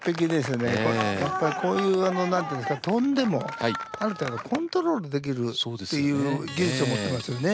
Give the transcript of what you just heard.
やっぱりこういうなんていうんですか飛んでもある程度コントロールできるっていう技術を持ってますよね。